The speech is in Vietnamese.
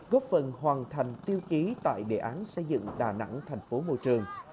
góp phần hoàn thành tiêu chí tại đề án xây dựng đà nẵng thành phố môi trường